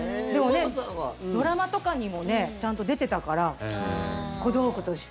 ドラマとかにもちゃんと出てたから小道具として。